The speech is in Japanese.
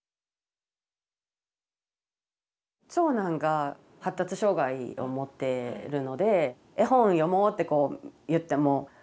長男が発達障害を持ってるので絵本読もうってこう言ってもまず私と目も合わせてくれない。